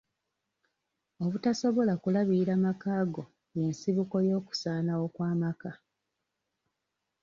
Obutasobola kulabirira makaago y'ensibuko y'okusaanawo kw'amaka.